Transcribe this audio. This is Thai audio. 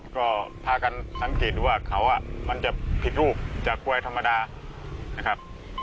ก็พากันสังเกตดูว่าเขามันจะผิดรูปจากกลวยธรรมดานะครับ